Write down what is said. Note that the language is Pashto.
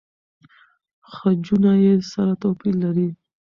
خجونه يې سره توپیر لري.